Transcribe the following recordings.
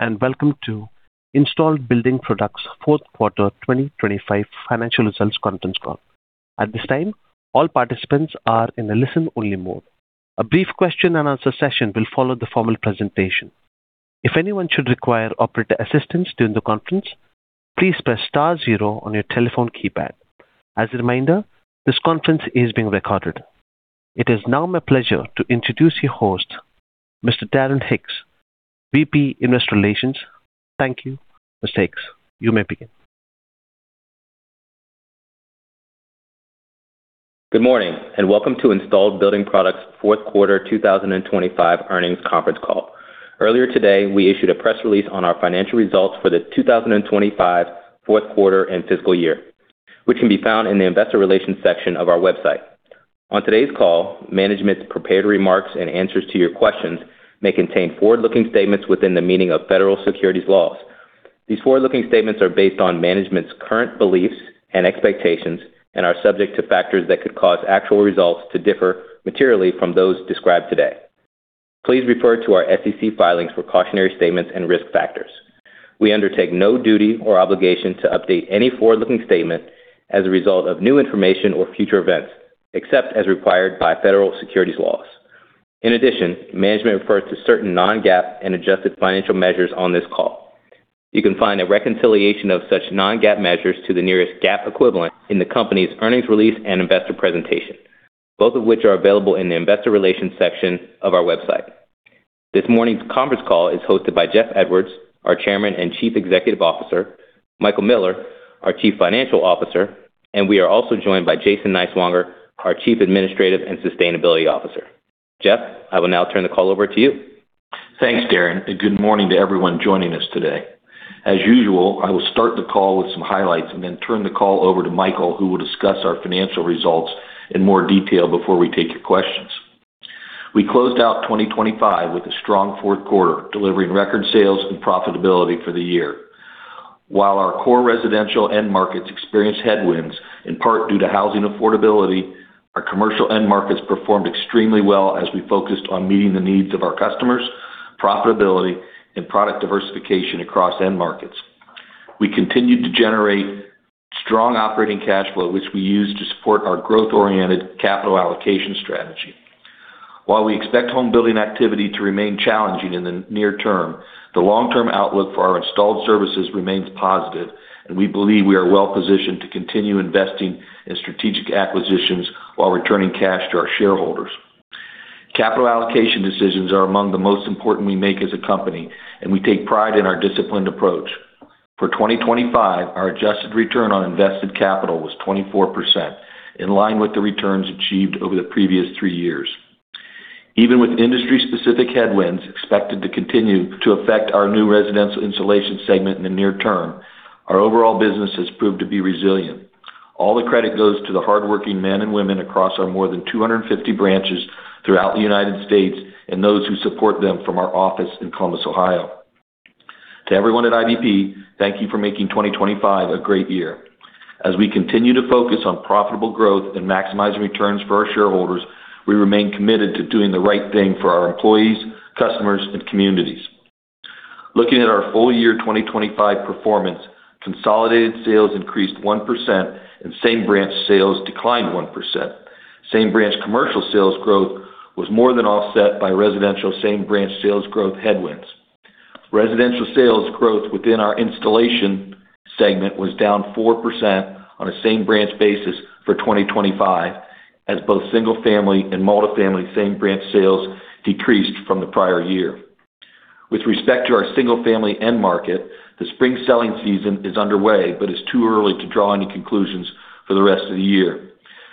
Welcome to Installed Building Products fourth quarter 2025 financial results conference call. At this time, all participants are in a listen-only mode. A brief question-and-answer session will follow the formal presentation. If anyone should require operator assistance during the conference, please press star zero on your telephone keypad. As a reminder, this conference is being recorded. It is now my pleasure to introduce your host, Mr. Darren Hicks, VP, Investor Relations. Thank you. Mr. Hicks, you may begin. Good morning, welcome to Installed Building Products fourth quarter 2025 earnings conference call. Earlier today, we issued a press release on our financial results for the 2025 fourth quarter and fiscal year, which can be found in the Investor Relations section of our website. On today's call, management's prepared remarks and answers to your questions may contain forward-looking statements within the meaning of federal securities laws. These forward-looking statements are based on management's current beliefs and expectations and are subject to factors that could cause actual results to differ materially from those described today. Please refer to our SEC filings for cautionary statements and risk factors. We undertake no duty or obligation to update any forward-looking statement as a result of new information or future events, except as required by federal securities laws. In addition, management refers to certain non-GAAP and adjusted financial measures on this call. You can find a reconciliation of such non-GAAP measures to the nearest GAAP equivalent in the company's earnings release and investor presentation, both of which are available in the Investor Relations section of our website. This morning's conference call is hosted by Jeff Edwards, our Chairman and Chief Executive Officer, Michael Miller, our Chief Financial Officer, and we are also joined by Jason Niswonger, our Chief Administrative and Sustainability Officer. Jeff, I will now turn the call over to you. Thanks, Darren, good morning to everyone joining us today. As usual, I will start the call with some highlights and then turn the call over to Michael, who will discuss our financial results in more detail before we take your questions. We closed out 2025 with a strong fourth quarter, delivering record sales and profitability for the year. While our core residential end markets experienced headwinds, in part due to housing affordability, our commercial end markets performed extremely well as we focused on meeting the needs of our customers, profitability, and product diversification across end markets. We continued to generate strong operating cash flow, which we use to support our growth-oriented capital allocation strategy. While we expect home building activity to remain challenging in the near term, the long-term outlook for our installed services remains positive, and we believe we are well-positioned to continue investing in strategic acquisitions while returning cash to our shareholders. Capital allocation decisions are among the most important we make as a company, and we take pride in our disciplined approach. For 2025, our adjusted return on invested capital was 24%, in line with the returns achieved over the previous three years. Even with industry-specific headwinds expected to continue to affect our new residential insulation segment in the near term, our overall business has proved to be resilient. All the credit goes to the hardworking men and women across our more than 250 branches throughout the United States and those who support them from our office in Columbus, Ohio. To everyone at IBP, thank you for making 2025 a great year. As we continue to focus on profitable growth and maximizing returns for our shareholders, we remain committed to doing the right thing for our employees, customers, and communities. Looking at our full year 2025 performance, consolidated sales increased 1% and same-branch sales declined 1%. Same-branch commercial sales growth was more than offset by residential same-branch sales growth headwinds. Residential sales growth within our installation segment was down 4% on a same-branch basis for 2025, as both single-family and multi-family same-branch sales decreased from the prior year. With respect to our single-family end market, the spring selling season is underway, but it's too early to draw any conclusions for the rest of the year.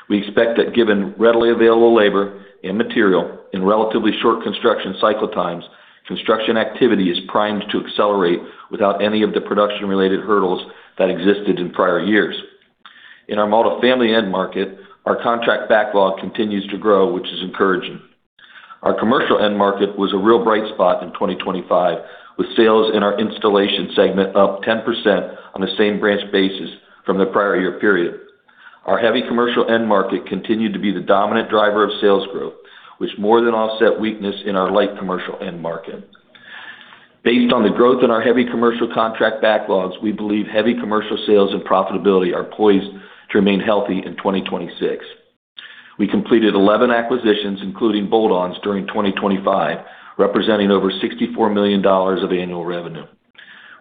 We expect that, given readily available labor and material in relatively short construction cycle times, construction activity is primed to accelerate without any of the production-related hurdles that existed in prior years. In our multi-family end market, our contract backlog continues to grow, which is encouraging. Our commercial end market was a real bright spot in 2025, with sales in our installation segment up 10% on a same-branch basis from the prior year period. Our heavy commercial end market continued to be the dominant driver of sales growth, which more than offset weakness in our light commercial end market. Based on the growth in our heavy commercial contract backlogs, we believe heavy commercial sales and profitability are poised to remain healthy in 2026. We completed 11 acquisitions, including bolt-ons, during 2025, representing over $64 million of annual revenue.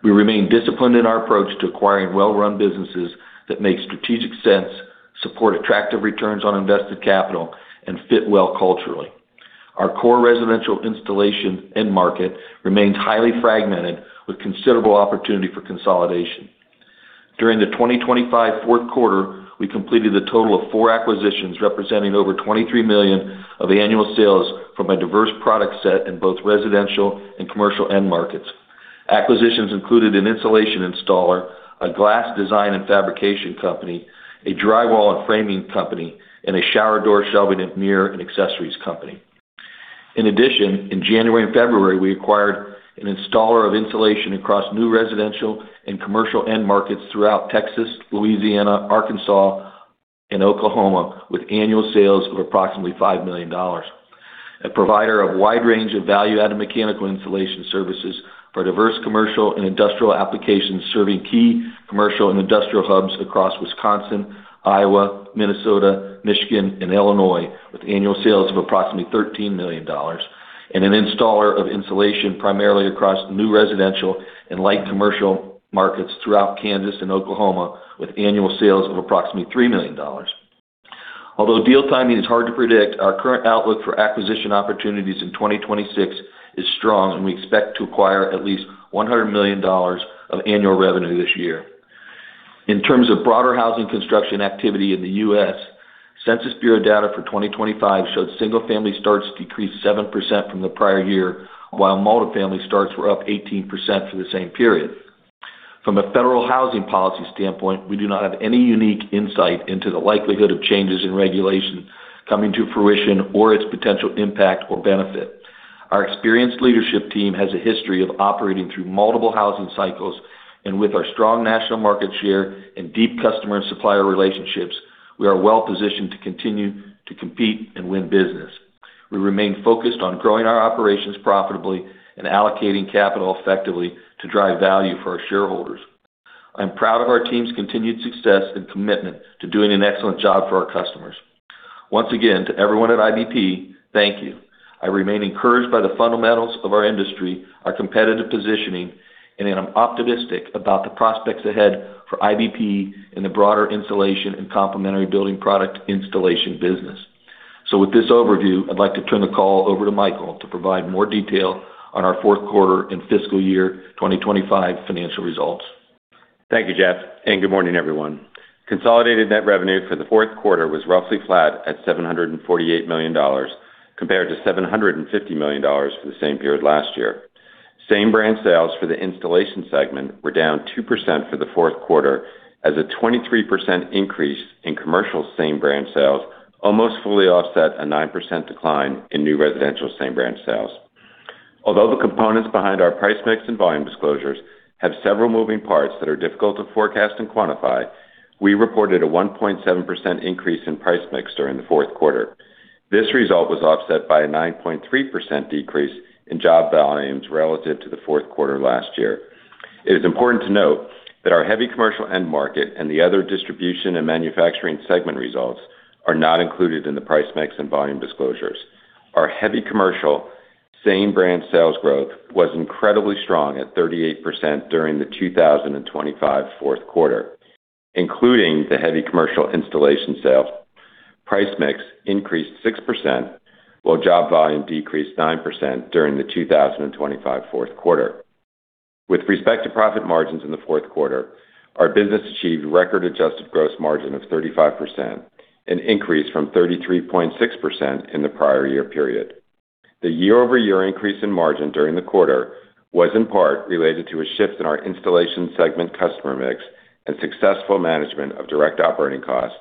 We remain disciplined in our approach to acquiring well-run businesses that make strategic sense, support attractive returns on invested capital, and fit well culturally. Our core residential installation end market remains highly fragmented, with considerable opportunity for consolidation. During the 2025 fourth quarter, we completed a total of four acquisitions, representing over $23 million of annual sales from a diverse product set in both residential and commercial end markets. Acquisitions included an insulation installer, a glass design and fabrication company, a drywall and framing company, and a shower door shelving and mirror and accessories company. In addition, in January and February, we acquired an installer of insulation across new residential and commercial end markets throughout Texas, Louisiana, Arkansas, in Oklahoma, with annual sales of approximately $5 million. A provider of wide range of value-added mechanical installation services for diverse commercial and industrial applications, serving key commercial and industrial hubs across Wisconsin, Iowa, Minnesota, Michigan, and Illinois, with annual sales of approximately $13 million. An installer of insulation, primarily across new residential and light commercial markets throughout Kansas and Oklahoma, with annual sales of approximately $3 million. Although deal timing is hard to predict, our current outlook for acquisition opportunities in 2026 is strong, and we expect to acquire at least $100 million of annual revenue this year. In terms of broader housing construction activity in the U.S., Census Bureau data for 2025 showed single-family starts decreased 7% from the prior year, while multi-family starts were up 18% for the same period. From a federal housing policy standpoint, we do not have any unique insight into the likelihood of changes in regulation coming to fruition or its potential impact or benefit. Our experienced leadership team has a history of operating through multiple housing cycles, and with our strong national market share and deep customer and supplier relationships, we are well-positioned to continue to compete and win business. We remain focused on growing our operations profitably and allocating capital effectively to drive value for our shareholders. I'm proud of our team's continued success and commitment to doing an excellent job for our customers. Once again, to everyone at IBP, thank you. I remain encouraged by the fundamentals of our industry, our competitive positioning, and I'm optimistic about the prospects ahead for IBP in the broader insulation and complementary building product installation business. With this overview, I'd like to turn the call over to Michael to provide more detail on our fourth quarter and fiscal year 2025 financial results. Thank you, Jeff. Good morning, everyone. Consolidated net revenue for the fourth quarter was roughly flat at $748 million, compared to $750 million for the same period last year. Same-branch sales for the installation segment were down 2% for the fourth quarter, as a 23% increase in commercial same-branch sales almost fully offset a 9% decline in new residential same-branch sales. Although the components behind our price mix and volume disclosures have several moving parts that are difficult to forecast and quantify, we reported a 1.7% increase in price mix during the fourth quarter. This result was offset by a 9.3% decrease in job volumes relative to the fourth quarter last year. It is important to note that our heavy commercial end market and the other distribution and manufacturing segment results are not included in the price mix and volume disclosures. Our heavy commercial same branch sales growth was incredibly strong at 38% during the 2025 fourth quarter, including the heavy commercial installation sales. Price mix increased 6%, while job volume decreased 9% during the 2025 fourth quarter. With respect to profit margins in the fourth quarter, our business achieved record adjusted gross margin of 35%, an increase from 33.6% in the prior year period. The year-over-year increase in margin during the quarter was in part related to a shift in our installation segment customer mix and successful management of direct operating costs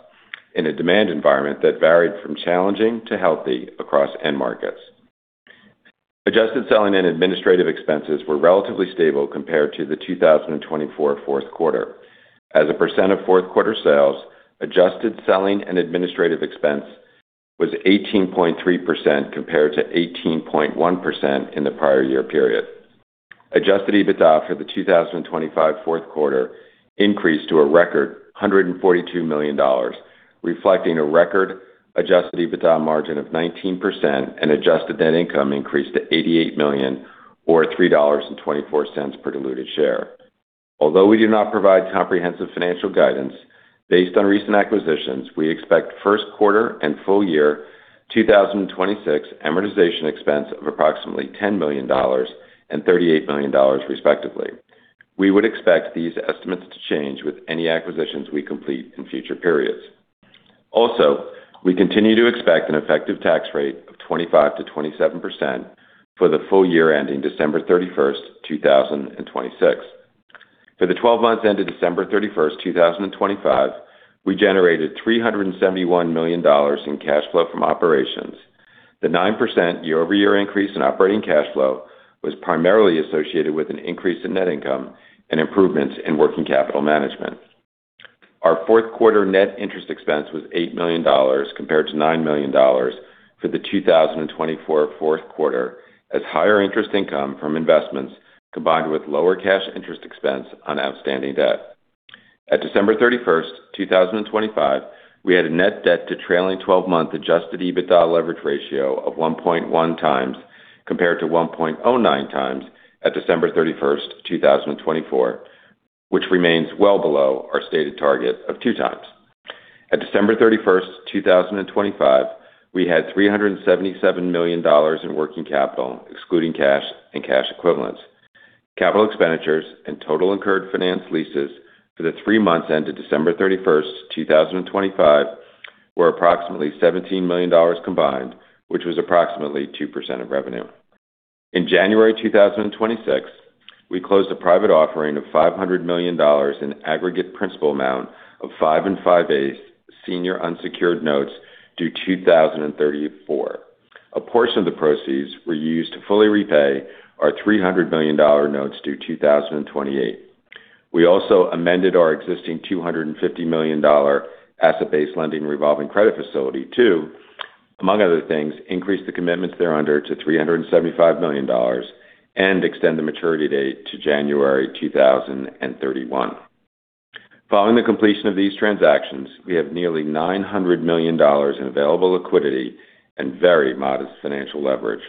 in a demand environment that varied from challenging to healthy across end markets. Adjusted selling and administrative expenses were relatively stable compared to the 2024 fourth quarter. As a percent of fourth quarter sales, adjusted selling and administrative expense was 18.3%, compared to 18.1% in the prior year period. Adjusted EBITDA for the 2025 fourth quarter increased to a record $142 million, reflecting a record Adjusted EBITDA margin of 19% and Adjusted Net Income increased to $88 million, or $3.24 per diluted share. Although we do not provide comprehensive financial guidance, based on recent acquisitions, we expect first quarter and full year 2026 amortization expense of approximately $10 million and $38 million, respectively. We would expect these estimates to change with any acquisitions we complete in future periods. We continue to expect an effective tax rate of 25%-27% for the full year ending December 31st, 2026. For the 12 months ended December 31st, 2025, we generated $371 million in cash flow from operations. The 9% year-over-year increase in operating cash flow was primarily associated with an increase in net income and improvements in working capital management. Our fourth quarter net interest expense was $8 million, compared to $9 million for the 2024 fourth quarter, as higher interest income from investments, combined with lower cash interest expense on outstanding debt. December 31st, 2025, we had a net debt to trailing twelve-month adjusted EBITDA leverage ratio of 1.1x, compared to 1.09x at December 31st, 2024, which remains well below our stated target of 2x. At December 31st, 2025, we had $377 million in working capital, excluding cash and cash equivalents. Capital expenditures and total incurred finance leases for the three months ended December 31st, 2025, were approximately $17 million combined, which was approximately 2% of revenue. In January 2026, we closed a private offering of $500 million in aggregate principal amount of 5.625% senior unsecured notes due 2034. A portion of the proceeds were used to fully repay our $300 million notes due 2028. We also amended our existing $250 million asset-based lending revolving credit facility to, among other things, increase the commitments thereunder to $375 million and extend the maturity date to January 2031. Following the completion of these transactions, we have nearly $900 million in available liquidity and very modest financial leverage.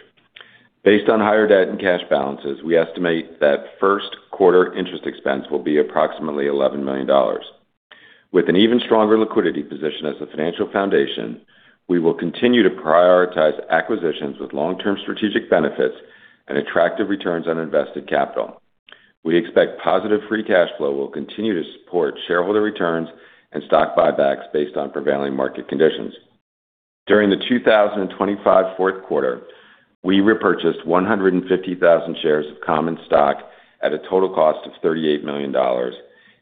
Based on higher debt and cash balances, we estimate that first quarter interest expense will be approximately $11 million. With an even stronger liquidity position as a financial foundation, we will continue to prioritize acquisitions with long-term strategic benefits and attractive returns on invested capital. We expect positive free cash flow will continue to support shareholder returns and stock buybacks based on prevailing market conditions. During the 2025 fourth quarter, we repurchased 150,000 shares of common stock at a total cost of $38 million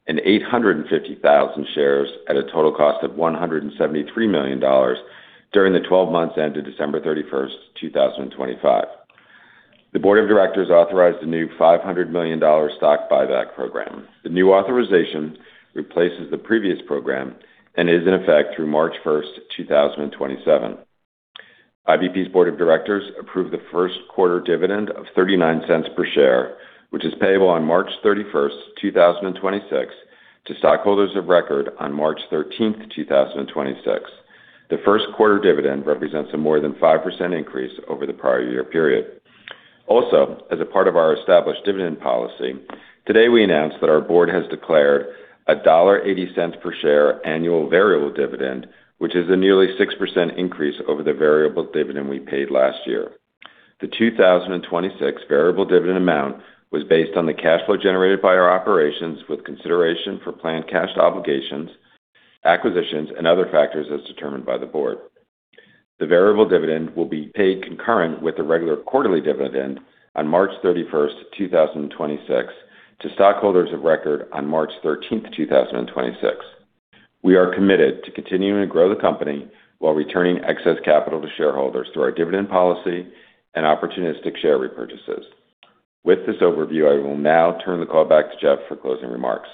and 850,000 shares at a total cost of $173 million during the 12 months ended December 31st, 2025. The Board of Directors authorized a new $500 million stock buyback program. The new authorization replaces the previous program and is in effect through March 1st, 2027. IBP's Board of Directors approved the first quarter dividend of $0.39 per share, which is payable on March 31st, 2026, to stockholders of record on March 13th, 2026. The first quarter dividend represents a more than 5% increase over the prior year period. As a part of our established dividend policy, today we announced that our Board has declared a $1.80 per share annual variable dividend, which is a nearly 6% increase over the variable dividend we paid last year. The 2026 variable dividend amount was based on the cash flow generated by our operations, with consideration for planned cash obligations, acquisitions, and other factors as determined by the Board. The variable dividend will be paid concurrent with the regular quarterly dividend on March 31st, 2026, to stockholders of record on March 13th, 2026. We are committed to continuing to grow the company while returning excess capital to shareholders through our dividend policy and opportunistic share repurchases. With this overview, I will now turn the call back to Jeff for closing remarks.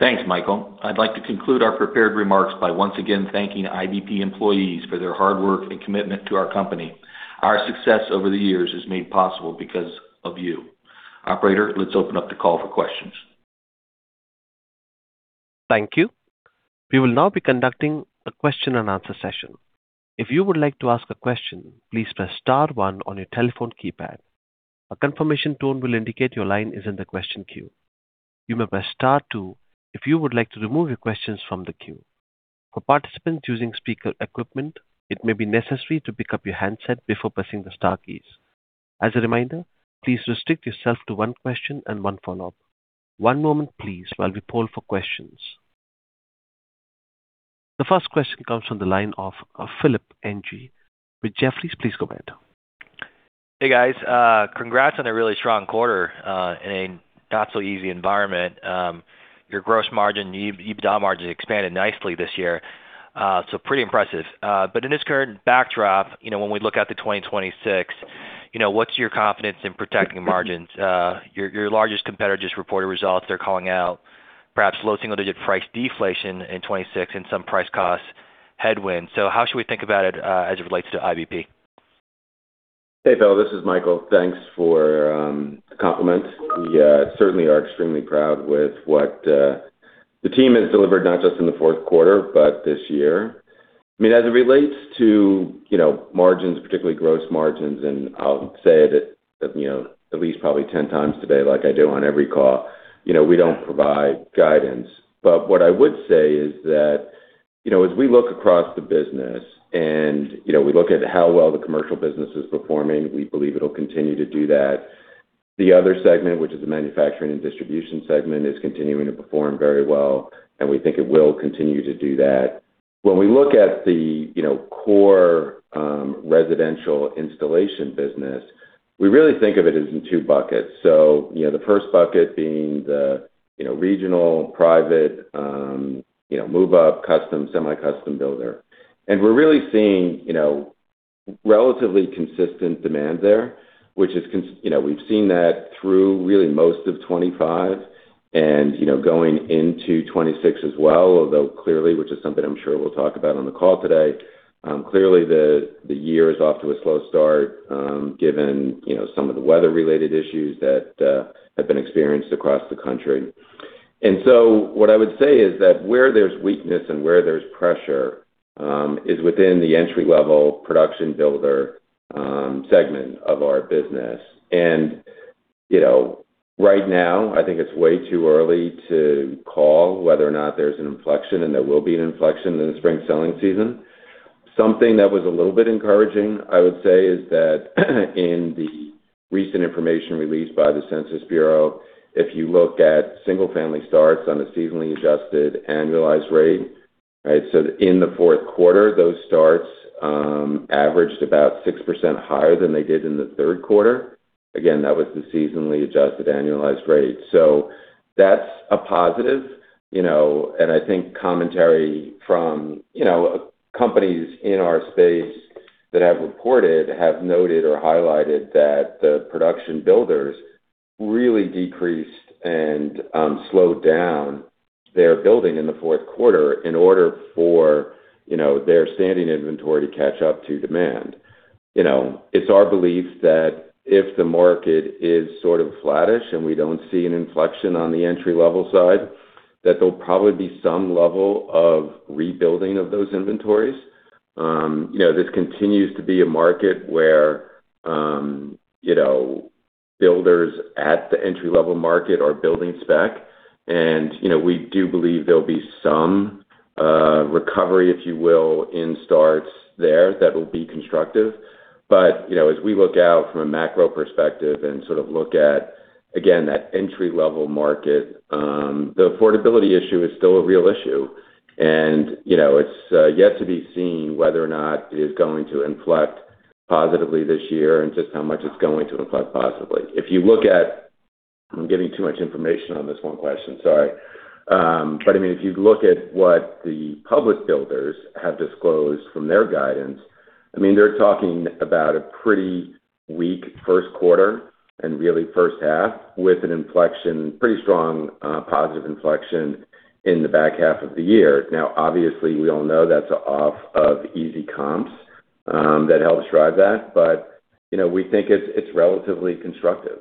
Thanks, Michael. I'd like to conclude our prepared remarks by once again thanking IBP employees for their hard work and commitment to our company. Our success over the years is made possible because of you. Operator, let's open up the call for questions. Thank you. We will now be conducting a question-and-answer session. If you would like to ask a question, please press star one on your telephone keypad. A confirmation tone will indicate your line is in the question queue. You may press star two if you would like to remove your questions from the queue. For participants using speaker equipment, it may be necessary to pick up your handset before pressing the star keys. As a reminder, please restrict yourself to one question and one follow-up. One moment please, while we poll for questions. The first question comes from the line of Philip Ng with Jefferies. Please go ahead. Hey, guys, congrats on a really strong quarter in a not so easy environment. Your gross margin, EBITDA margin expanded nicely this year, pretty impressive. In this current backdrop, you know, when we look out to 2026, you know, what's your confidence in protecting margins? Your largest competitor just reported results. They're calling out perhaps low single-digit price deflation in 2026 and some price costs headwind. How should we think about it as it relates to IBP? Hey, Phil, this is Michael. Thanks for the compliment. We certainly are extremely proud with what the team has delivered, not just in the fourth quarter, but this year. I mean, as it relates to, you know, margins, particularly gross margins, and I'll say it at, you know, at least probably 10 times today, like I do on every call, you know, we don't provide guidance. What I would say is that, you know, as we look across the business and, you know, we look at how well the commercial business is performing, we believe it'll continue to do that. The other segment, which is the manufacturing and distribution segment, is continuing to perform very well, and we think it will continue to do that. When we look at the, you know, core residential installation business, we really think of it as in two buckets. You know, the first bucket being the, you know, regional, private, you know, move-up, custom, semi-custom builder. We're really seeing, you know, relatively consistent demand there, which is You know, we've seen that through really most of 2025 and, you know, going into 2026 as well, although clearly, which is something I'm sure we'll talk about on the call today, clearly the year is off to a slow start, given, you know, some of the weather-related issues that have been experienced across the country. What I would say is that where there's weakness and where there's pressure, is within the entry-level production builder, segment of our business. You know, right now, I think it's way too early to call whether or not there's an inflection and there will be an inflection in the spring selling season. Something that was a little bit encouraging, I would say, is that in the recent information released by the Census Bureau, if you look at single-family starts on a seasonally adjusted annualized rate, right? In the fourth quarter, those starts averaged about 6% higher than they did in the third quarter. Again, that was the seasonally adjusted annualized rate. That's a positive, you know, and I think commentary from, you know, companies in our space that have reported, have noted or highlighted that the production builders really decreased and slowed down their building in the fourth quarter in order for, you know, their standing inventory to catch up to demand. You know, it's our belief that if the market is sort of flattish and we don't see an inflection on the entry-level side, that there'll probably be some level of rebuilding of those inventories. You know, this continues to be a market where, you know, builders at the entry-level market are building spec. You know, we do believe there'll be some recovery, if you will, in starts there that will be constructive. You know, as we look out from a macro perspective and sort of look at, again, that entry-level market, the affordability issue is still a real issue. You know, it's yet to be seen whether or not it is going to inflect positively this year and just how much it's going to inflect positively. If you look at, I'm giving too much information on this one question, sorry. I mean, if you look at what the public builders have disclosed from their guidance, I mean, they're talking about a pretty weak first quarter and really first half, with an inflection, pretty strong, positive inflection in the back half of the year. Now, obviously, we all know that's off of easy comps that help drive that. You know, we think it's relatively constructive.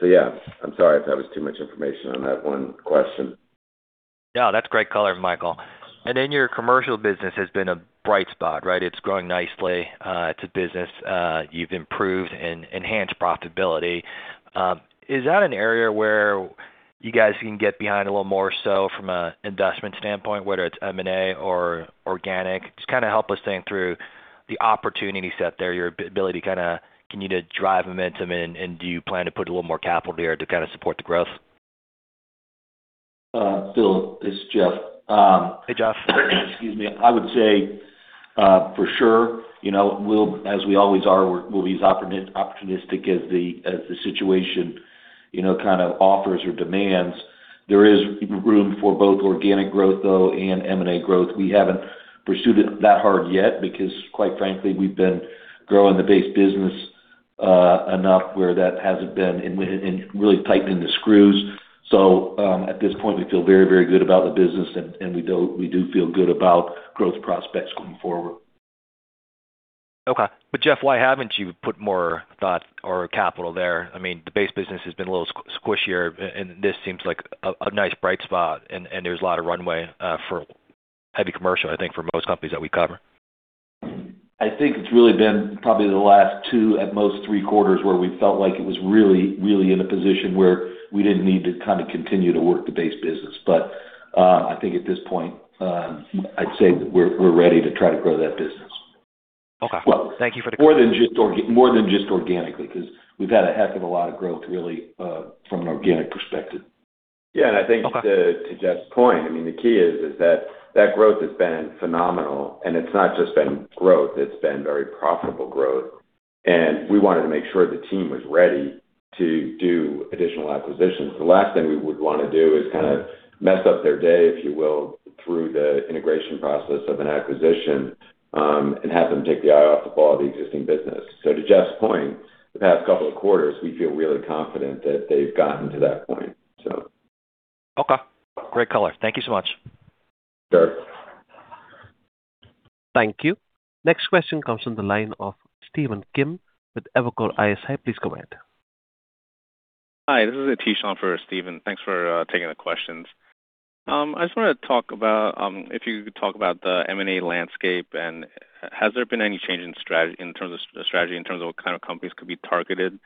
Yeah, I'm sorry if that was too much information on that one question. No, that's great color, Michael. Then your commercial business has been a bright spot, right? It's growing nicely. It's a business, you've improved and enhanced profitability. Is that an area where you guys can get behind a little more so from an investment standpoint, whether it's M&A or organic? Just kind of help us think through the opportunity set there, your ability to can you to drive momentum, and do you plan to put a little more capital there to kind of support the growth? Philip, it's Jeff Edwards. Hey, Jeff. Excuse me. I would say, for sure, you know, as we always are, we'll be as opportunistic as the situation, you know, kind of offers or demands. There is room for both organic growth, though, and M&A growth. We haven't pursued it that hard yet because, quite frankly, we've been growing the base business, enough where that hasn't been, and really tightening the screws. At this point, we feel very, very good about the business, and we do feel good about growth prospects going forward. Okay. Jeff, why haven't you put more thought or capital there? I mean, the base business has been a little squishier, and this seems like a nice bright spot, and there's a lot of runway for heavy commercial, I think, for most companies that we cover. I think it's really been probably the last two, at most three quarters, where we felt like it was really in a position where we didn't need to kind of continue to work the base business. I think at this point, I'd say we're ready to try to grow that business. Okay. Thank you for the. More than just organically, 'cause we've had a heck of a lot of growth, really, from an organic perspective. Yeah, I think Okay... to Jeff's point, I mean, the key is that that growth has been phenomenal, and it's not just been growth, it's been very profitable growth. We wanted to make sure the team was ready to do additional acquisitions. The last thing we would want to do is kind of mess up their day, if you will, through the integration process of an acquisition, and have them take their eye off the ball of the existing business. To Jeff's point, the past couple of quarters, we feel really confident that they've gotten to that point, so. Okay. Great color. Thank you so much. Sure. Thank you. Next question comes from the line of Stephen Kim with Evercore ISI. Please go ahead. Hi, this is Aatish Shah for Steven. Thanks for taking the questions. I just wanted to talk about, if you could talk about the M&A landscape, and has there been any change in strategy, in terms of strategy, in terms of what kind of companies could be targeted?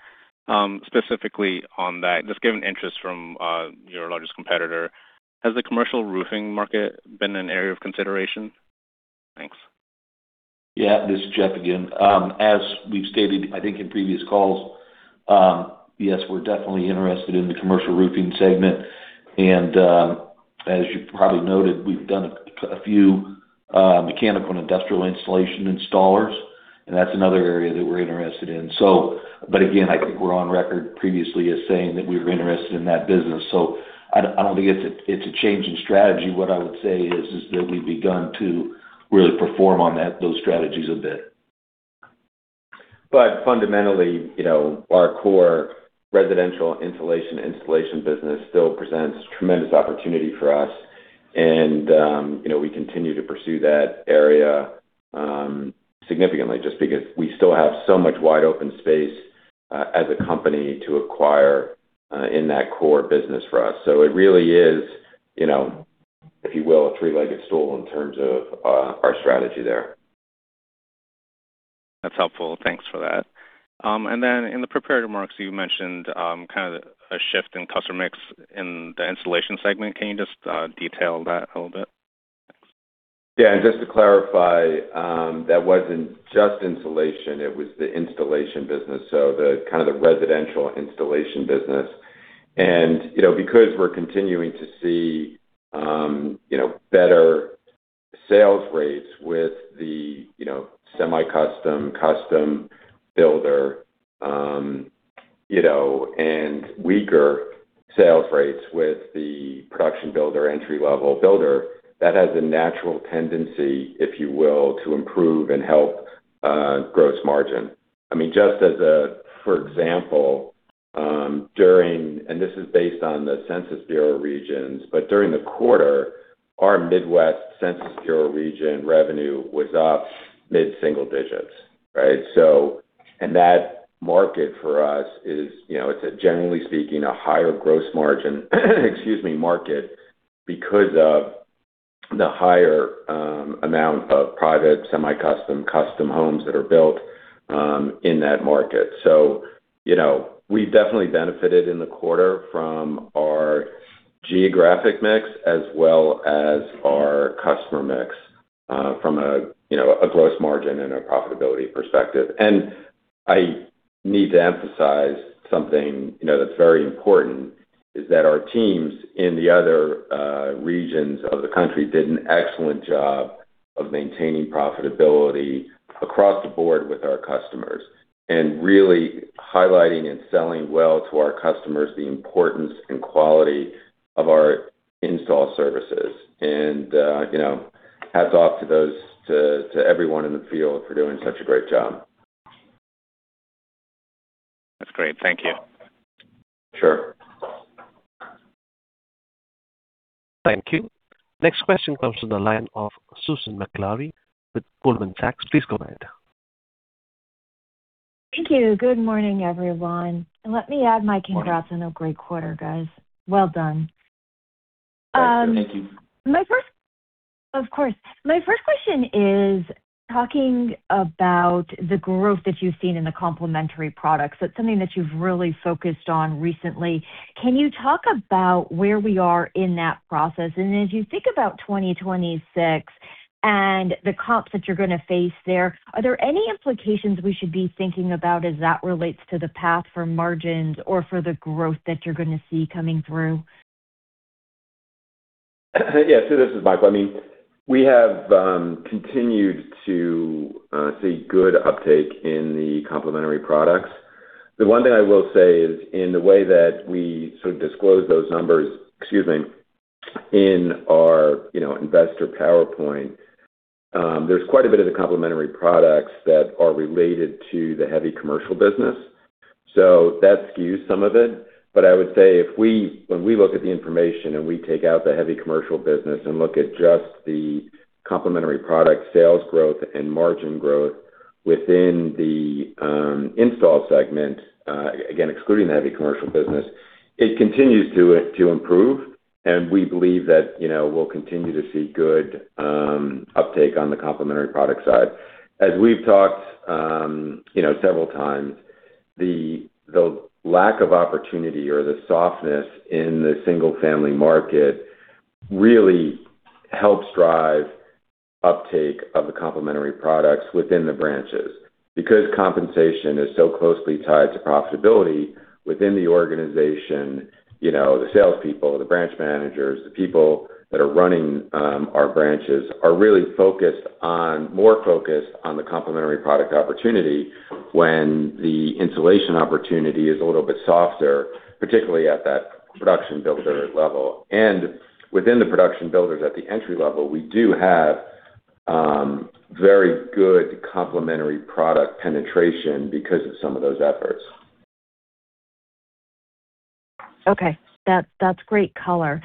Specifically on that, just given interest from your largest competitor, has the commercial roofing market been an area of consideration? Thanks. Yeah, this is Jeff again. As we've stated, I think in previous calls, yes, we're definitely interested in the commercial roofing segment. As you probably noted, we've done a few mechanical and industrial installation installers, and that's another area that we're interested in. Again, I think we're on record previously as saying that we were interested in that business, so I don't think it's a change in strategy. What I would say is that we've begun to really perform on those strategies a bit. Fundamentally, you know, our core residential insulation installation business still presents tremendous opportunity for us, and, you know, we continue to pursue that area, significantly, just because we still have so much wide open space, as a company to acquire, in that core business for us. It really is, you know, if you will, a three-legged stool in terms of, our strategy there. That's helpful. Thanks for that. In the prepared remarks, you mentioned kind of a shift in customer mix in the installation segment. Can you just detail that a little bit? Yeah, just to clarify, that wasn't just insulation, it was the installation business, so the kind of the residential installation business. You know, because we're continuing to see, you know, sales rates with the, you know, semi-custom, custom builder, you know, and weaker sales rates with the production builder, entry-level builder, that has a natural tendency, if you will, to improve and help gross margin. I mean, just as a, for example, during, this is based on the Census Bureau regions, during the quarter, our Midwest Census Bureau region revenue was up mid-single digits, right? That market for us is, you know, it's a, generally speaking, a higher gross margin, excuse me, market, because of the higher amount of private, semi-custom, custom homes that are built in that market. You know, we've definitely benefited in the quarter from our geographic mix as well as our customer mix, from a, you know, a gross margin and a profitability perspective. I need to emphasize something, you know, that's very important, is that our teams in the other regions of the country did an excellent job of maintaining profitability across the board with our customers and really highlighting and selling well to our customers the importance and quality of our install services. You know, hats off to those, to everyone in the field for doing such a great job. That's great. Thank you. Sure. Thank you. Next question comes from the line of Susan Maklari with Goldman Sachs. Please go ahead. Thank you. Good morning, everyone, and let me add. Good morning. - Congrats on a great quarter, guys. Well done. Thanks. Thank you. My first. Of course. My first question is talking about the growth that you've seen in the complementary products. That's something that you've really focused on recently. Can you talk about where we are in that process? As you think about 2026 and the comps that you're gonna face there, are there any implications we should be thinking about as that relates to the path for margins or for the growth that you're gonna see coming through? This is Mike. I mean, we have continued to see good uptake in the complementary products. The one thing I will say is, in the way that we sort of disclose those numbers, excuse me, in our, you know, investor PowerPoint, there's quite a bit of the complementary products that are related to the heavy commercial business, so that skews some of it. I would say when we look at the information and we take out the heavy commercial business and look at just the complementary product sales growth and margin growth within the install segment, again, excluding the heavy commercial business, it continues to improve, and we believe that, you know, we'll continue to see good uptake on the complementary product side. As we've talked, you know, several times, the lack of opportunity or the softness in the single-family market really helps drive uptake of the complementary products within the branches. Because compensation is so closely tied to profitability within the organization, you know, the salespeople, the branch managers, the people that are running, our branches are really focused on, more focused on the complementary product opportunity when the installation opportunity is a little bit softer, particularly at that production builder level. Within the production builders at the entry level, we do have, very good complementary product penetration because of some of those efforts. Okay. That's great color.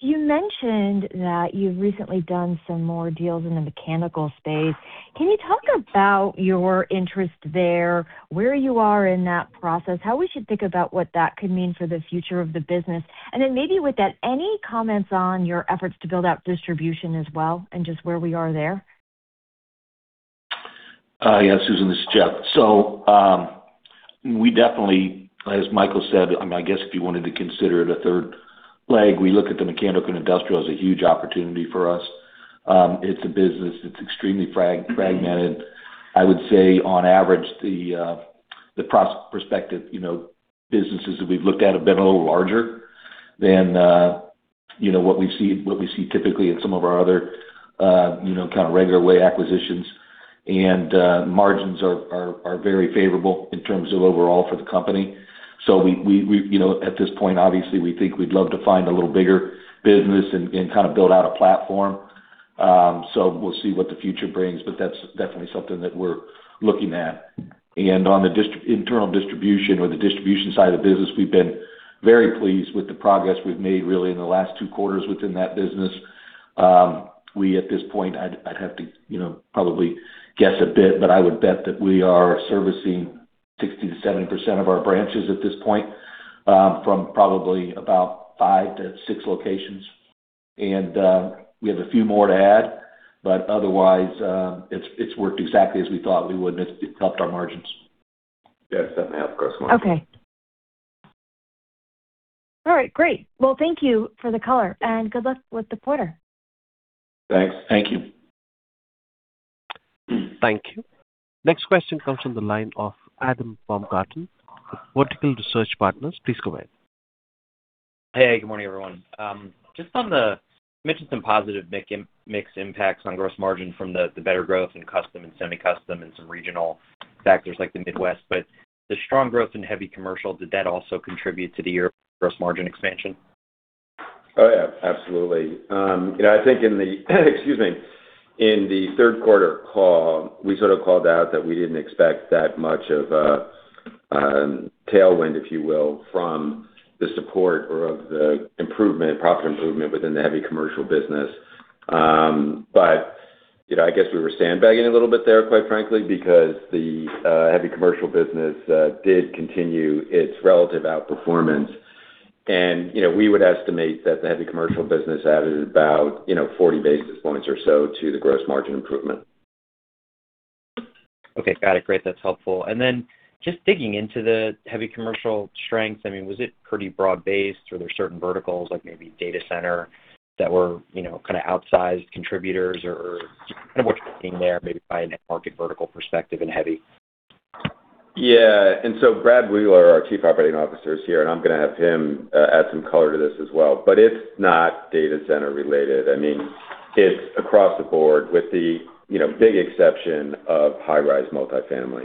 You mentioned that you've recently done some more deals in the mechanical space. Can you talk about your interest there, where you are in that process, how we should think about what that could mean for the future of the business? Maybe with that, any comments on your efforts to build out distribution as well and just where we are there? Yeah, Susan, this is Jeff. We definitely, as Michael said, I guess if you wanted to consider it a third leg, we look at the mechanical and industrial as a huge opportunity for us. It's a business that's extremely fragmented. I would say on average, the prospective, you know, businesses that we've looked at have been a little larger than, you know, what we see typically in some of our other, you know, kind of regular way acquisitions. Margins are very favorable in terms of overall for the company. We, you know, at this point, obviously, we think we'd love to find a little bigger business and kind of build out a platform. We'll see what the future brings, but that's definitely something that we're looking at. On the internal distribution or the distribution side of the business, we've been very pleased with the progress we've made really in the last two quarters within that business. We at this point, I'd have to, you know, probably guess a bit, but I would bet that we are servicing 60%-70% of our branches at this point, from probably about five to six locations. We have a few more to add, but otherwise, it's worked exactly as we thought we would, and it's helped our margins. Yes, definitely helped gross margins. Okay. All right, great. Well, thank you for the color, and good luck with the quarter. Thanks. Thank you. Thank you. Next question comes from the line of Adam Baumgarten, Vertical Research Partners. Please go ahead. Hey, good morning, everyone. Just on the, you mentioned some positive mix, mixed impacts on gross margin from the better growth in custom and semi-custom and some regional factors like the Midwest, but the strong growth in heavy commercial, did that also contribute to the year gross margin expansion? Oh, yeah, absolutely. You know, I think in the, excuse me, in the third quarter call, we sort of called out that we didn't expect that much of a tailwind, if you will, from the support or of the improvement, profit improvement within the heavy commercial business. You know, I guess we were sandbagging a little bit there, quite frankly, because the heavy commercial business did continue its relative outperformance. You know, we would estimate that the heavy commercial business added about, you know, 40 basis points or so to the gross margin improvement. Okay, got it. Great. That's helpful. Just digging into the heavy commercial strength, I mean, was it pretty broad-based, or there are certain verticals, like maybe data center, that were, you know, kind of outsized contributors or kind of what you're seeing there, maybe by a net market vertical perspective and heavy? Yeah, Brad Wheeler, our Chief Operating Officer, is here, and I'm going to have him add some color to this as well. It's not data center related. I mean, it's across the board with the, you know, big exception of high-rise multi-family.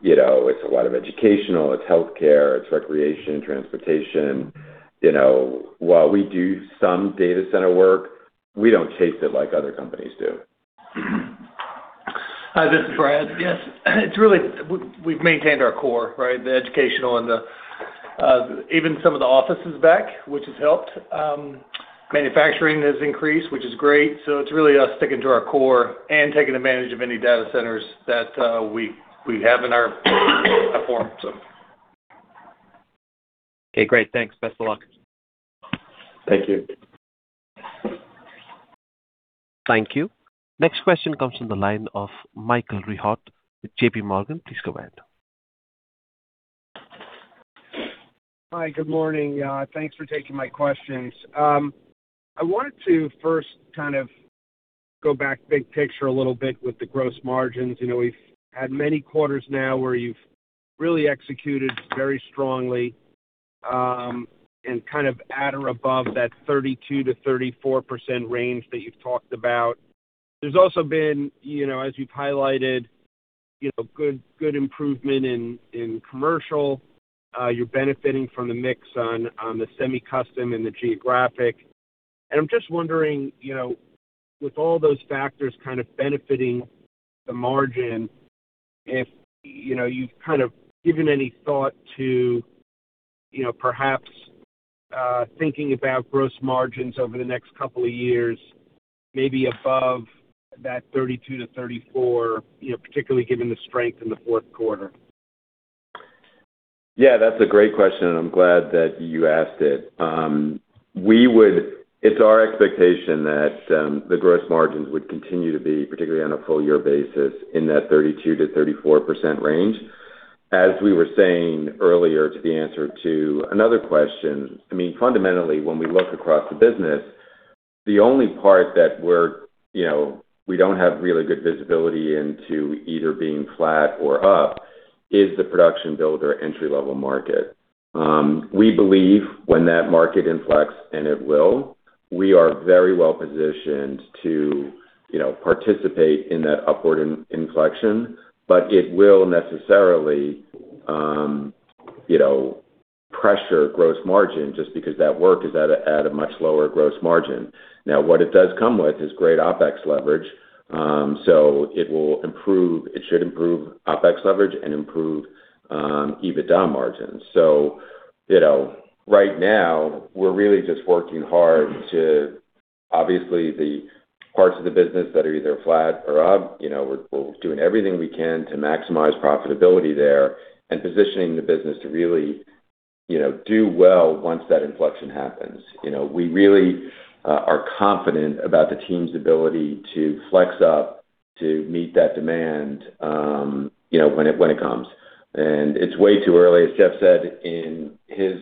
You know, it's a lot of educational, it's healthcare, it's recreation, transportation. You know, while we do some data center work, we don't chase it like other companies do. Hi, this is Brad. Yes, we've maintained our core, right? The educational and the even some of the offices back, which has helped. Manufacturing has increased, which is great. It's really us sticking to our core and taking advantage of any data centers that we have in our platform, so. Okay, great. Thanks. Best of luck. Thank you. Thank you. Next question comes from the line of Michael Rehaut with JPMorgan. Please go ahead. Hi, good morning. Thanks for taking my questions. I wanted to first kind of go back big picture a little bit with the gross margins. You know, we've had many quarters now where you've really executed very strongly, and kind of at or above that 32%-34% range that you've talked about. There's also been, you know, as you've highlighted, you know, good improvement in commercial. You're benefiting from the mix on the semi-custom and the geographic. I'm just wondering, you know, with all those factors kind of benefiting the margin, if, you know, you've kind of given any thought to, you know, perhaps, thinking about gross margins over the next couple of years, maybe above that 32%-34%, you know, particularly given the strength in the fourth quarter. That's a great question, and I'm glad that you asked it. It's our expectation that the gross margins would continue to be, particularly on a full year basis, in that 32%-34% range. As we were saying earlier to the answer to another question, I mean, fundamentally, when we look across the business, the only part that we're, you know, we don't have really good visibility into either being flat or up is the production builder entry-level market. We believe when that market inflex, and it will, we are very well positioned to, you know, participate in that upward inflection, but it will necessarily, you know, pressure gross margin just because that work is at a much lower gross margin. What it does come with is great OpEx leverage. It should improve OpEx leverage and improve EBITDA margins. You know, right now, we're really just working hard to obviously, the parts of the business that are either flat or up, you know, we're doing everything we can to maximize profitability there and positioning the business to really, you know, do well once that inflection happens. You know, we really are confident about the team's ability to flex up to meet that demand, you know, when it comes. It's way too early, as Jeff said in his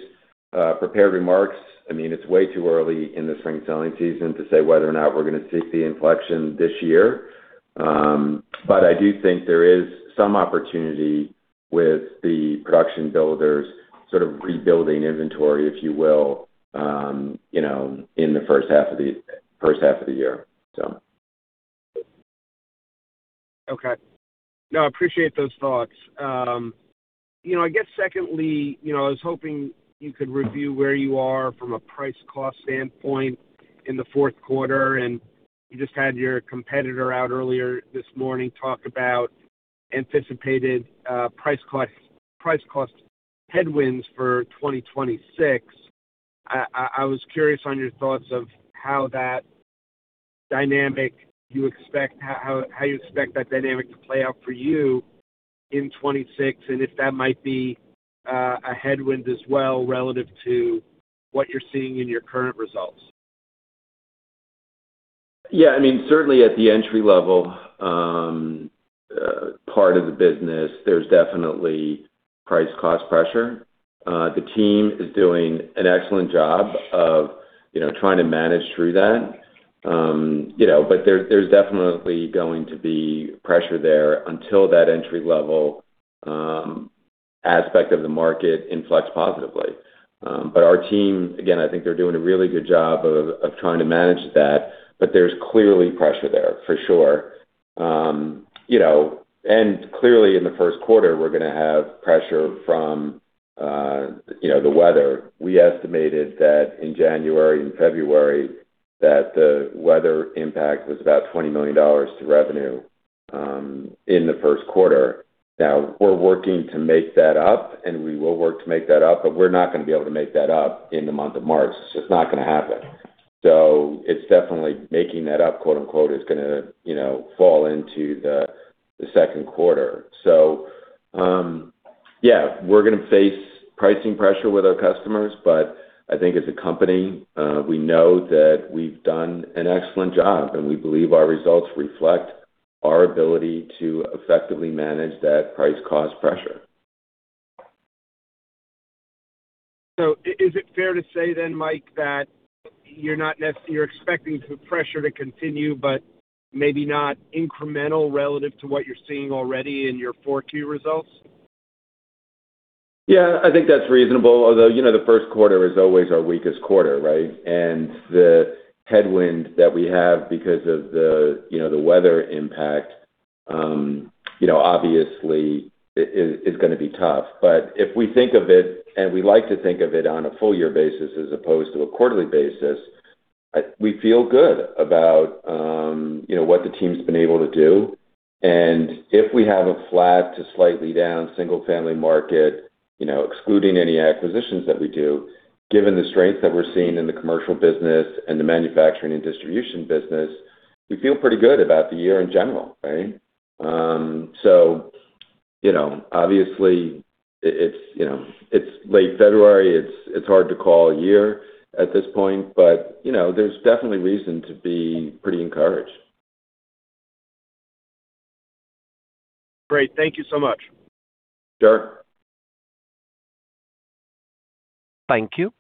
prepared remarks. I mean, it's way too early in the spring selling season to say whether or not we're going to see the inflection this year. I do think there is some opportunity with the production builders sort of rebuilding inventory, if you will, you know, in the first half of the year. Okay. No, I appreciate those thoughts. You know, I guess secondly, you know, I was hoping you could review where you are from a price-cost standpoint in the fourth quarter, and you just had your competitor out earlier this morning, talk about anticipated price cost headwinds for 2026. I was curious on your thoughts of how that dynamic how you expect that dynamic to play out for you in 2026, and if that might be a headwind as well relative to what you're seeing in your current results? I mean, certainly at the entry level, part of the business, there's definitely price cost pressure. The team is doing an excellent job of, you know, trying to manage through that. You know, there's definitely going to be pressure there until that entry level, aspect of the market influx positively. Our team, again, I think they're doing a really good job of trying to manage that, but there's clearly pressure there, for sure. You know, clearly, in the first quarter, we're gonna have pressure from, you know, the weather. We estimated that in January and February, that the weather impact was about $20 million to revenue, in the first quarter. We're working to make that up, and we will work to make that up, but we're not gonna be able to make that up in the month of March. It's just not gonna happen. It's definitely making that up, quote, unquote, "Is gonna, you know, fall into the second quarter." Yeah, we're gonna face pricing pressure with our customers, but I think as a company, we know that we've done an excellent job, and we believe our results reflect our ability to effectively manage that price cost pressure. Is it fair to say then, Mike, that you're not you're expecting the pressure to continue, but maybe not incremental relative to what you're seeing already in your 4-key results? Yeah, I think that's reasonable, although, you know, the first quarter is always our weakest quarter, right? The headwind that we have because of the, you know, the weather impact, you know, obviously, it is gonna be tough. If we think of it, and we like to think of it on a full year basis as opposed to a quarterly basis, we feel good about, you know, what the team's been able to do. If we have a flat to slightly down single-family market, you know, excluding any acquisitions that we do, given the strength that we're seeing in the commercial business and the manufacturing and distribution business, we feel pretty good about the year in general, right? You know, obviously, it's, you know, it's late February. It's hard to call a year at this point, but, you know, there's definitely reason to be pretty encouraged. Great. Thank you so much. Sure. Thank you.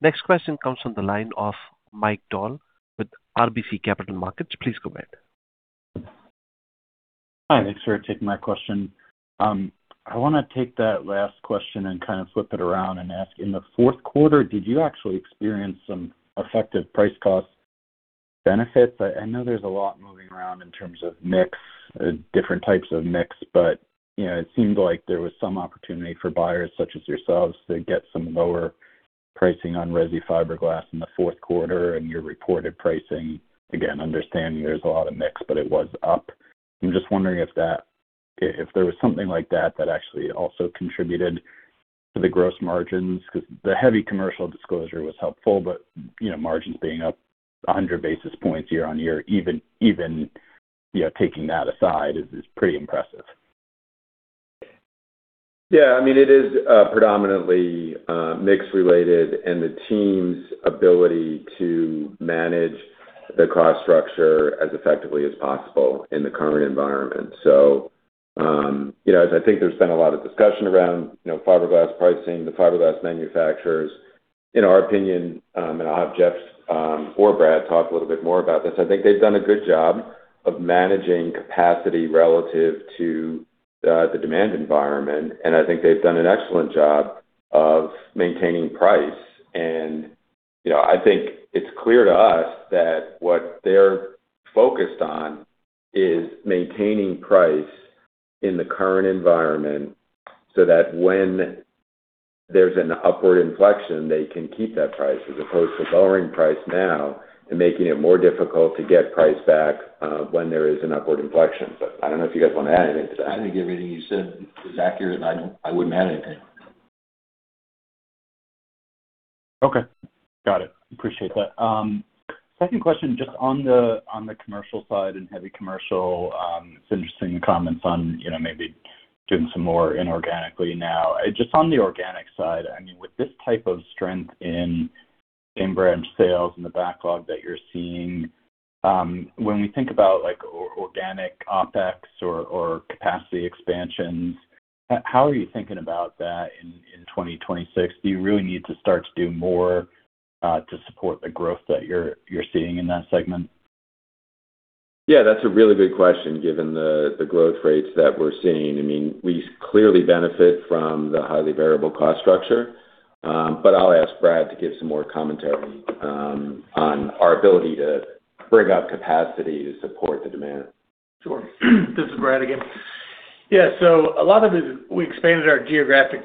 Next question comes from the line of Mike Dahl with RBC Capital Markets. Please go ahead. Hi, thanks for taking my question. I wanna take that last question and kind of flip it around and ask: In the fourth quarter, did you actually experience some effective price cost benefits? I know there's a lot moving around in terms of mix, different types of mix, but, you know, it seemed like there was some opportunity for buyers such as yourselves to get some lower pricing on resi fiberglass in the fourth quarter, and your reported pricing. Again, understanding there's a lot of mix, it was up. I'm just wondering if there was something like that actually also contributed to the gross margins. 'Cause the heavy commercial disclosure was helpful, but, you know, margins being up 100 basis points year-on-year, even, you know, taking that aside, is pretty impressive. I mean, it is predominantly mix related and the team's ability to manage the cost structure as effectively as possible in the current environment. You know, as I think there's been a lot of discussion around, you know, fiberglass pricing, the fiberglass manufacturers, in our opinion, and I'll have Jeff or Brad talk a little bit more about this. I think they've done a good job of managing capacity relative to the demand environment, and I think they've done an excellent job of maintaining price. You know, I think it's clear to us that what they're focused on is maintaining price in the current environment so that when there's an upward inflection, they can keep that price, as opposed to lowering price now and making it more difficult to get price back when there is an upward inflection. I don't know if you guys want to add anything to that. I think everything you said is accurate, and I wouldn't add anything. Okay. Got it. Appreciate that. Second question, just on the, on the commercial side and heavy commercial, it's interesting, the comments on, you know, maybe doing some more inorganically now. Just on the organic side, I mean, with this type of strength in same branch sales and the backlog that you're seeing, when we think about, like, organic OpEx or capacity expansions, how are you thinking about that in 2026? Do you really need to start to do more to support the growth that you're seeing in that segment? Yeah, that's a really good question, given the growth rates that we're seeing. I mean, we clearly benefit from the highly variable cost structure. I'll ask Brad to give some more commentary on our ability to bring up capacity to support the demand. Sure. This is Brad again. Yeah, a lot of it, we expanded our geographic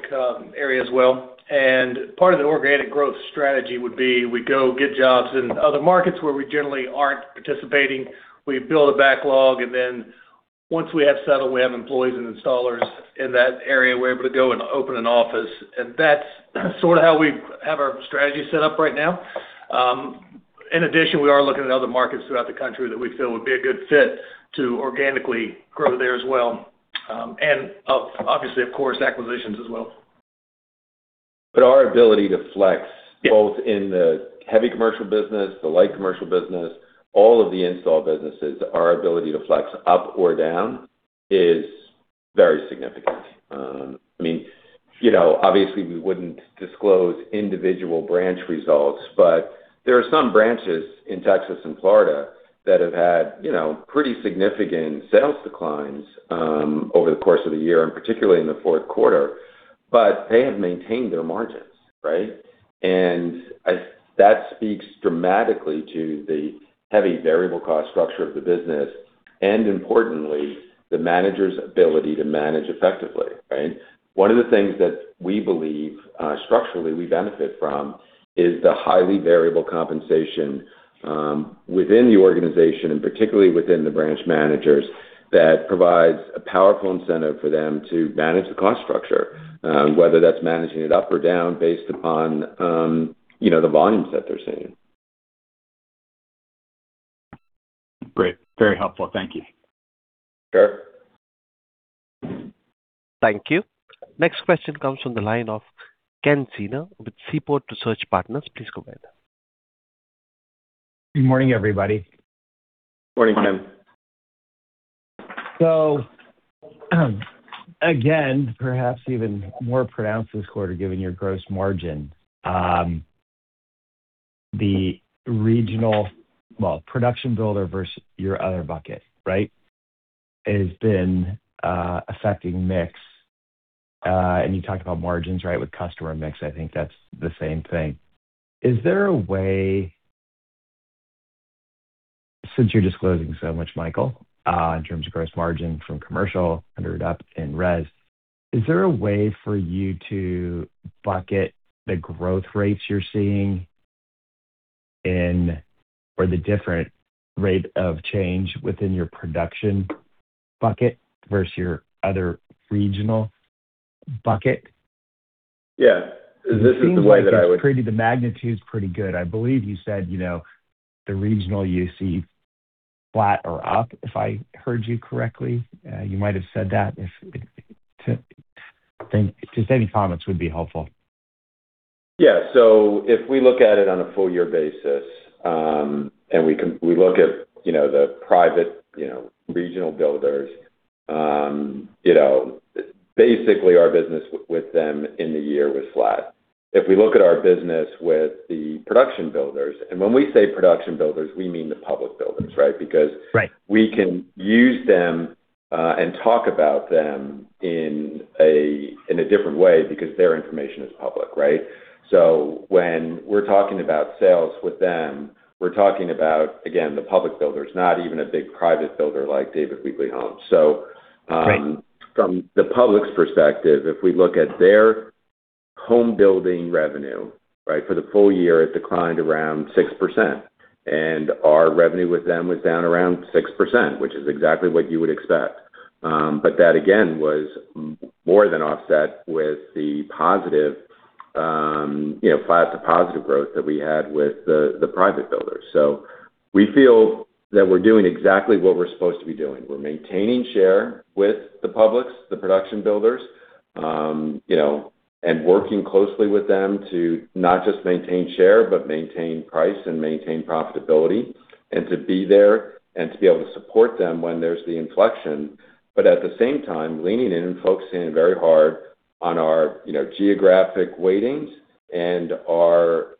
area as well. Part of the organic growth strategy would be we go get jobs in other markets where we generally aren't participating. We build a backlog. Once we have settled, we have employees and installers in that area, we're able to go and open an office. That's sort of how we have our strategy set up right now. In addition, we are looking at other markets throughout the country that we feel would be a good fit to organically grow there as well. Obviously, of course, acquisitions as well. Our ability to flex both in the heavy commercial business, the light commercial business, all of the install businesses, our ability to flex up or down is very significant. I mean, you know, obviously, we wouldn't disclose individual branch results, but there are some branches in Texas and Florida that have had, you know, pretty significant sales declines, over the course of the year, and particularly in the fourth quarter, but they have maintained their margins, right? That speaks dramatically to the heavy variable cost structure of the business and importantly, the manager's ability to manage effectively, right? One of the things that we believe, structurally we benefit from is the highly variable compensation within the organization, and particularly within the branch managers, that provides a powerful incentive for them to manage the cost structure, whether that's managing it up or down, based upon, you know, the volumes that they're seeing. Great. Very helpful. Thank you. Sure. Thank you. Next question comes from the line of Ken Zener with Seaport Research Partners. Please go ahead. Good morning, everybody. Morning, Ken. Again, perhaps even more pronounced this quarter, given your gross margin. The production builder versus your other bucket, right, has been affecting mix. You talked about margins, right, with customer mix. I think that's the same thing. Since you're disclosing so much, Michael, in terms of gross margin from commercial under it up in res, is there a way for you to bucket the growth rates you're seeing in, or the different rate of change within your production bucket versus your other regional bucket? Yeah, this is the way that I would-. The magnitude is pretty good. I believe you said, you know, the regional, you see flat or up, if I heard you correctly. You might have said that. Just any comments would be helpful. Yeah. If we look at it on a full year basis, we look at, you know, the private, you know, regional builders, you know, basically our business with them in the year was flat. If we look at our business with the production builders, when we say production builders, we mean the public builders, right? Right. We can use them, and talk about them in a different way because their information is public, right? When we're talking about sales with them, we're talking about, again, the public builders, not even a big private builder like David Weekley Homes. Right. From the public's perspective, if we look at their home building revenue, right, for the full year, it declined around 6%, and our revenue with them was down around 6%, which is exactly what you would expect. But that, again, was more than offset with the positive, you know, flat to positive growth that we had with the private builders. We feel that we're doing exactly what we're supposed to be doing. We're maintaining share with the publics, the production builders, you know, and working closely with them to not just maintain share, but maintain price and maintain profitability, and to be there and to be able to support them when there's the inflection. At the same time, leaning in and focusing very hard on our, you know, geographic weightings and our,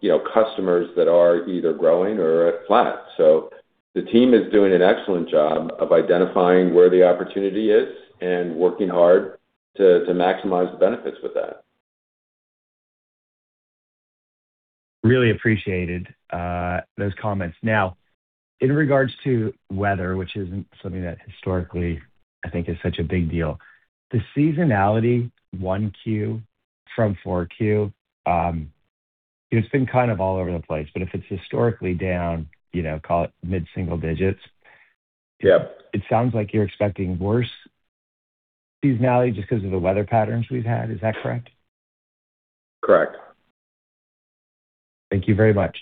you know, customers that are either growing or are flat. The team is doing an excellent job of identifying where the opportunity is and working hard to maximize the benefits with that. Really appreciated, those comments. In regards to weather, which isn't something that historically, I think, is such a big deal. The seasonality, Q1 from Q4, it's been kind of all over the place, but if it's historically down, you know, call it mid-single digits... Yeah. It sounds like you're expecting worse seasonality just because of the weather patterns we've had. Is that correct? Correct. Thank you very much.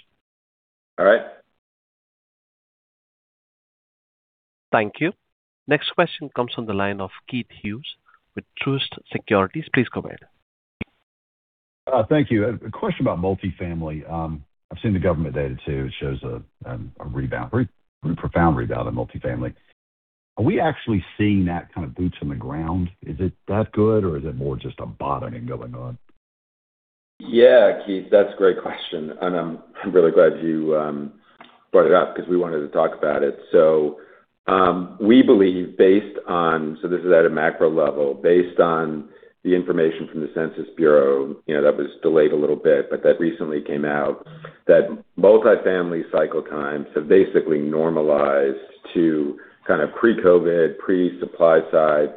All right. Thank you. Next question comes from the line of Keith Hughes with Truist Securities. Please go ahead. Thank you. A question about multi-family. I've seen the government data, too. It shows a profound rebound in multi-family. Are we actually seeing that kind of boots on the ground? Is it that good, or is it more just a bottoming going on? Yeah, Keith, that's a great question, and I'm really glad you brought it up because we wanted to talk about it. We believe, based on this is at a macro level, based on the information from the Census Bureau, you know, that was delayed a little bit, but that recently came out, that multi-family cycle times have basically normalized to kind of pre-COVID, pre-supply side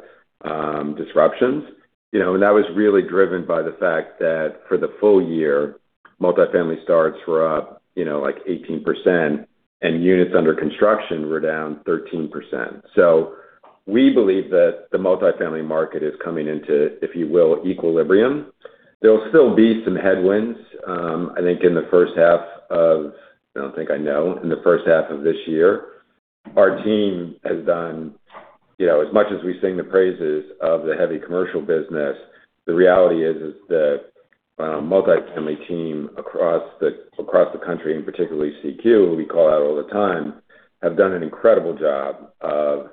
disruptions. You know, that was really driven by the fact that for the full year, multi-family starts were up, you know, like 18% and units under construction were down 13%. We believe that the multi-family market is coming into, if you will, equilibrium. There'll still be some headwinds, I think in the first half of, I don't think I know, in the first half of this year. Our team has done. You know, as much as we sing the praises of the heavy commercial business, the reality is that multi-family team across the country, and particularly CQ, we call out all the time, have done an incredible job of,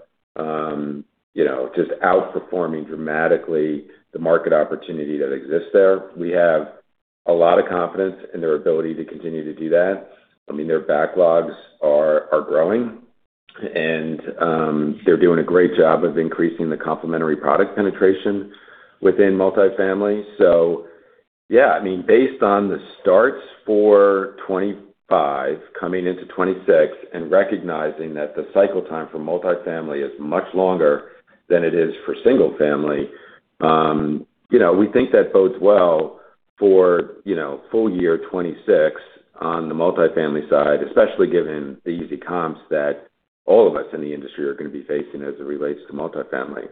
you know, just outperforming dramatically the market opportunity that exists there. We have a lot of confidence in their ability to continue to do that. I mean, their backlogs are growing, and they're doing a great job of increasing the complementary product penetration within multi-family. Yeah, I mean, based on the starts for 2025, coming into 2026, and recognizing that the cycle time for multi-family is much longer than it is for single-family, you know, we think that bodes well for, you know, full year 2026 on the multi-family side, especially given the easy comps that all of us in the industry are going to be facing as it relates to multi-family.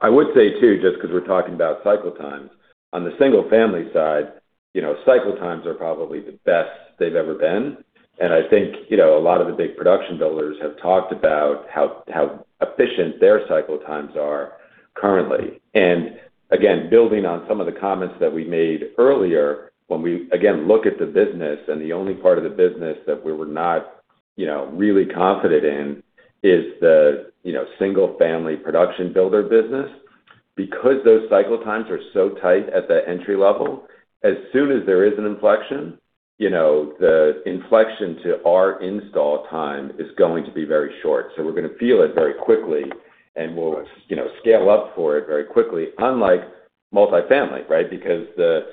I would say, too, just because we're talking about cycle times, on the single-family side, you know, cycle times are probably the best they've ever been. I think, you know, a lot of the big production builders have talked about how efficient their cycle times are currently. Again, building on some of the comments that we made earlier, when we, again, look at the business, the only part of the business that we were not, you know, really confident in is the, you know, single-family production builder business. Those cycle times are so tight at the entry level, as soon as there is an inflection, you know, the inflection to our install time is going to be very short. We're going to feel it very quickly, and we'll, you know, scale up for it very quickly, unlike multi-family, right? Because the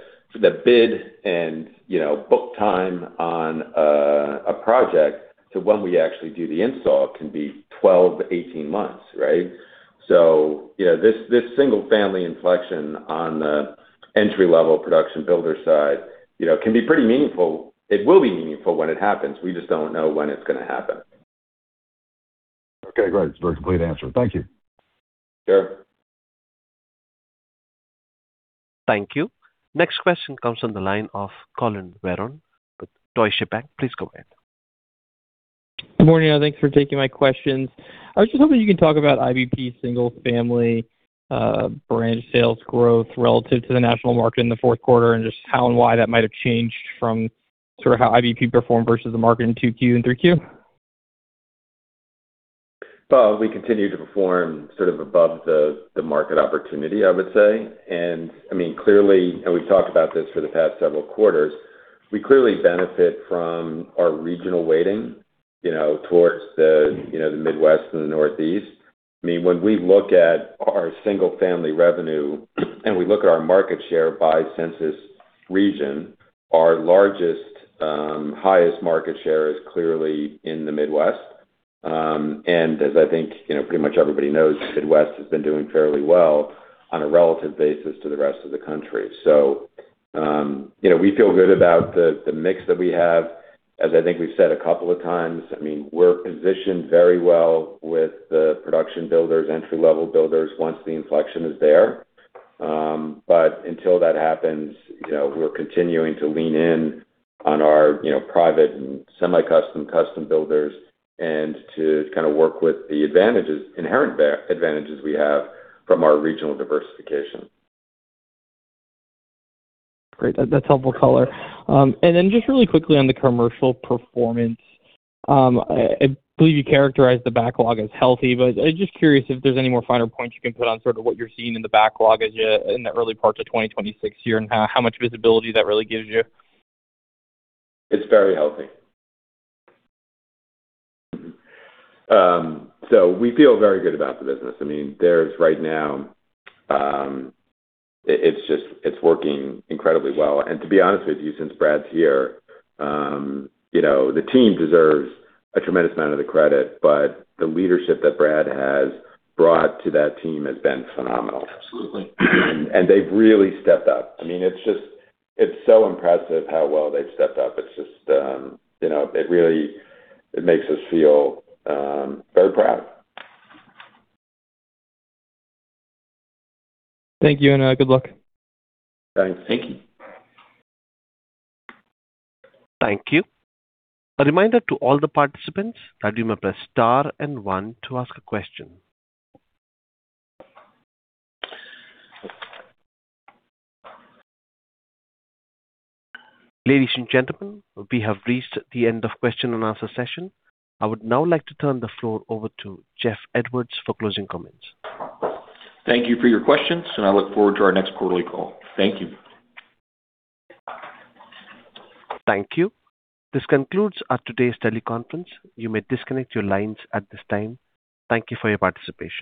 bid and, you know, book time on a project to when we actually do the install can be 12 months-18 months, right? You know, this single-family inflection on the entry-level production builder side, you know, can be pretty meaningful. It will be meaningful when it happens. We just don't know when it's going to happen. Okay, great. Very complete answer. Thank you. Sure. Thank you. Next question comes from the line of Collin Verron with Deutsche Bank. Please go ahead. Good morning, and thanks for taking my questions. I was just hoping you could talk about IBP single-family branch sales growth relative to the national market in the fourth quarter, just how and why that might have changed from sort of how IBP performed versus the market in Q2 and Q3. Well, we continue to perform sort of above the market opportunity, I would say. I mean, clearly, and we've talked about this for the past several quarters, we clearly benefit from our regional weighting, towards the Midwest and the Northeast. I mean, when we look at our single-family revenue and we look at our market share by Census region, our largest, highest market share is clearly in the Midwest. And as I think, pretty much everybody knows, the Midwest has been doing fairly well on a relative basis to the rest of the country. We feel good about the mix that we have. As I think we've said a couple of times, I mean, we're positioned very well with the production builders, entry-level builders, once the inflection is there. until that happens, you know, we're continuing to lean in on our, you know, private and semi-custom, custom builders and to kind of work with the advantages, inherent advantages we have from our regional diversification. Great. That, that's helpful color. Then just really quickly on the commercial performance, I believe you characterized the backlog as healthy, but I'm just curious if there's any more finer points you can put on sort of what you're seeing in the backlog as you in the early parts of 2026 year and how much visibility that really gives you. It's very healthy. We feel very good about the business. I mean, there's right now, it's just, it's working incredibly well. To be honest with you, since Brad's here, you know, the team deserves a tremendous amount of the credit, but the leadership that Brad has brought to that team has been phenomenal. Absolutely. They've really stepped up. I mean, it's just, it's so impressive how well they've stepped up. It's just, you know, it really, it makes us feel, very proud. Thank you, and, good luck. Thanks. Thank you. Thank you. A reminder to all the participants that you may press star and one to ask a question. Ladies and gentlemen, we have reached the end of question and answer session. I would now like to turn the floor over to Jeff Edwards for closing comments. Thank you for your questions. I look forward to our next quarterly call. Thank you. Thank you. This concludes our today's teleconference. You may disconnect your lines at this time. Thank you for your participation.